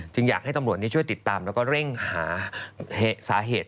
อยากให้ตำรวจช่วยติดตามแล้วก็เร่งหาสาเหตุ